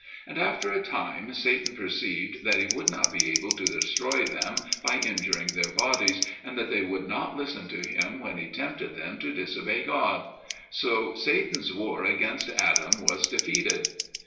And after a time Satan perceived that he would not be able to destroy them by injuring their bodies, and that they would not listen to him when he tempted them to disobey God. So Satan's war against Adam was defeated.